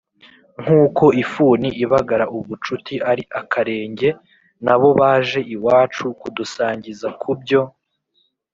nk’uko « ifuni ibagara ubucuti ari akarenge », nabo baje iwacu kudusangiza ku byo